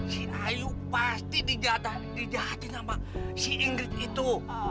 si ayu pasti dijahatin sama si inggris itu